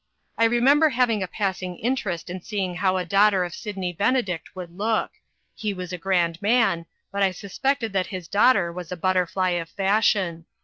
I remember having a passing interest in see ing how a daughter of Sydney Benedict would look. He was a grand man, but I suspected that his daughter was a butterfly of fashion.